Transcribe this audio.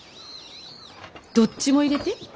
どっちも入れて。